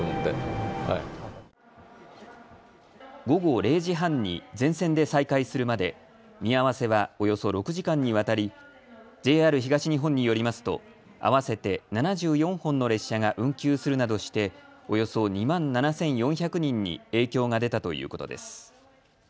午後０時半に全線で再開するまで見合わせはおよそ６時間にわたりＪＲ東日本によりますと合わせて７４本の列車が運休するなどしておよそ２万７４００人に影響が出たということです。